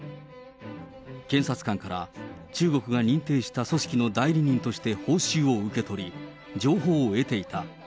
検察官から、中国が認定した組織の代理人として報酬を受け取り、情報を得ていた。